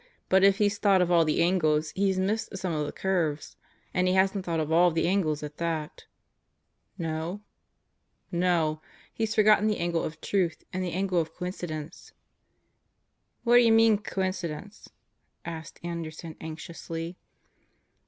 But if he's thought of all the angles, he's missed some of the curves. And he hasn't thought of all the angles at that." "No?" "No. He's forgotten the angle of truth and the angle of coincidence." "Whaddya mean 'coincidence'?" asked Anderson anxiously.